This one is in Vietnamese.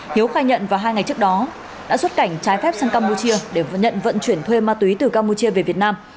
hiếu khai nhận vào hai ngày trước đó đã xuất cảnh trái phép sang campuchia để nhận vận chuyển thuê ma túy từ campuchia về việt nam